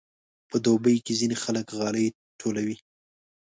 په دوبي کې ځینې خلک غالۍ ټولوي.